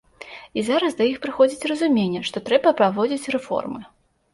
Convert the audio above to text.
І зараз да іх прыходзіць разуменне, што трэба праводзіць рэформы.